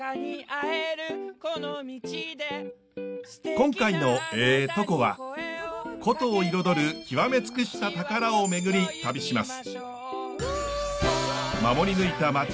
今回の「えぇトコ」は古都を彩る極め尽くした宝をめぐり旅します。